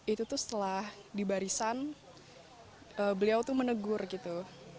itu tuh setelah di barisan beliau tuh menegur gitu